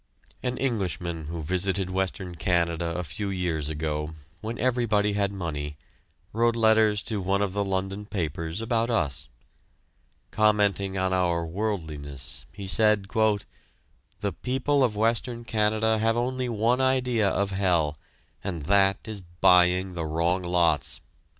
An Englishman who visited Western Canada a few years ago, when everybody had money, wrote letters to one of the London papers about us. Commenting on our worldliness, he said: "The people of Western Canada have only one idea of hell, and that is buying the wrong lots!"